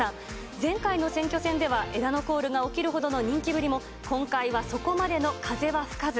前回の選挙戦では枝野コールが起きるほどの人気ぶりも、今回はそこまでの風は吹かず。